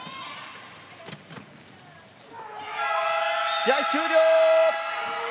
試合終了！